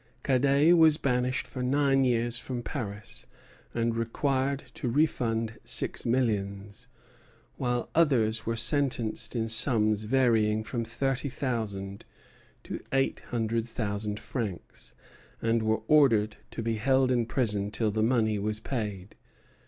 Cadet was banished for nine years from Paris and required to refund six millions; while others were sentenced in sums varying from thirty thousand to eight hundred thousand francs, and were ordered to be held in prison till the money was paid.